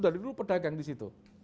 dari dulu pedagang di situ